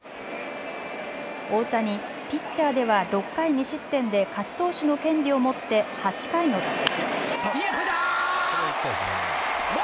大谷、ピッチャーでは６回２失点で勝ち投手の権利を持って８回の打席。